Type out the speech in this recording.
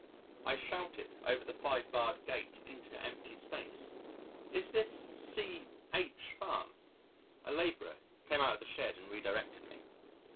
I shouted over the five barred gate into empty space, "Is this C H Farm?" A labourer came out of the shed and redirected me.